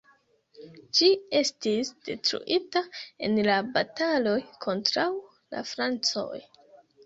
Ĝi estis detruita en la bataloj kontraŭ la francoj.